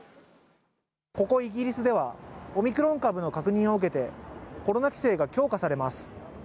ここイギリスではオミクロン株の確認を受けてコロナ規制が強化されます。